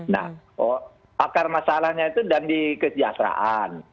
nah akar masalahnya itu dan di kesejahteraan